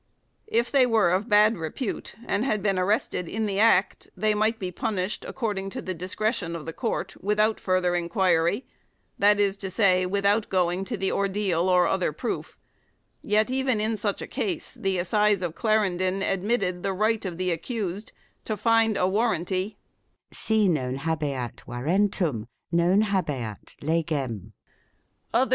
If they were of bad repute and had been arrested in the act, they might be punished according to the discretion of the court without further inquiry, that is to say, without going to the ordeal or other proof; yet even in such a case the assize of Clarendon admitted the right of the accused to find a warrenty "si non habeat warrentum non habeat legem ".